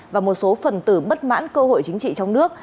và một số phần từ bất mãn cơ hội chính trị trong nước